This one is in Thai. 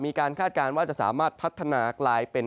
คาดการณ์ว่าจะสามารถพัฒนากลายเป็น